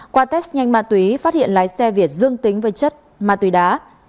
qua test nhanh ma túy phát hiện lái xe việt dương tính với chất ma túy đá